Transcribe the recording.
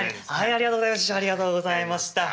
師匠ありがとうございました。